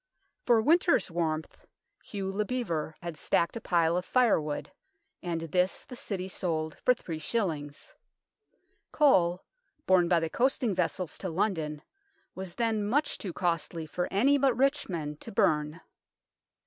For winter's warmth Hugh le Bevere had stacked a pile of firewood, and this the City sold for three shillings. Coal, borne by the coasting vessels to London, was then much too costly for any but rich men to burn.